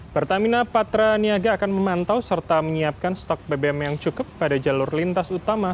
pertamina patra niaga akan memantau serta menyiapkan stok bbm yang cukup pada jalur lintas utama